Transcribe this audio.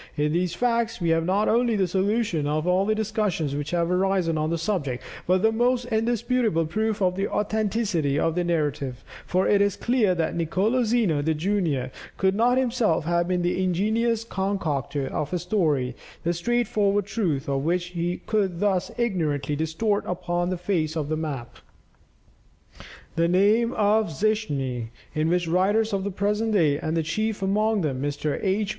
In these facts we have not only the solution of all the discussions which have arisen on the subject, but the most indisputable proof of the authenticity of the narrative; for it is clear that Nicolo Zeno, junior, could not himself have been the ingenious concocter of a story the straightforward truth of which he could thus ignorantly distort upon the face of the map." The name of Zichmni, in which writers of the present day, and chief among them Mr. H.